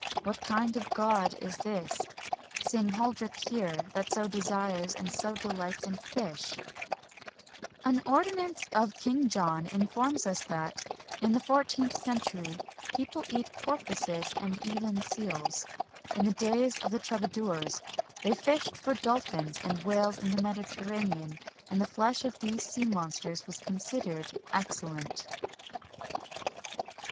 What kind of God is this, Same Huldryche here, that so desires and so delightes in fishe?"[XXI 28] An ordinance of King John informs us that, in the 14th century, people eat porpoises and even seals.[XXI 29] In the days of the troubadours, they fished for dolphins and whales in the Mediterranean, and the flesh of these sea monsters was considered excellent.